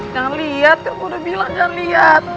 jangan liat kan gue udah bilang jangan liat